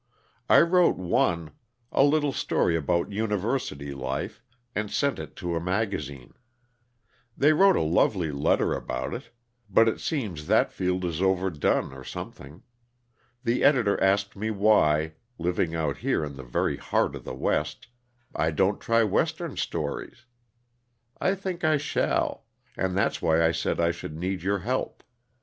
"I wrote one a little story about university life and sent it to a magazine. They wrote a lovely letter about it, but it seems that field is overdone, or something. The editor asked me why, living out here in the very heart of the West, I don't try Western stories. I think I shall and that's why I said I should need your help.